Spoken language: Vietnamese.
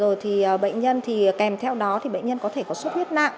rồi thì bệnh nhân thì kèm theo đó thì bệnh nhân có thể có suốt huyết nặng